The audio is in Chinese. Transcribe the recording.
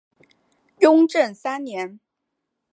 雍正三年。